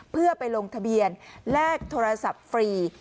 เพื่อไปลงทะเบียนแลกโทรศัพท์ฟรี